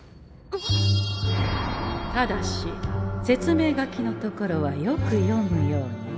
ただし説明書きのところはよく読むように。